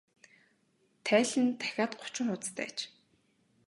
Тайлан нь дахиад гучин хуудастай аж.